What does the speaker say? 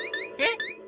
え？